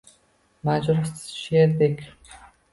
Majruh sherdek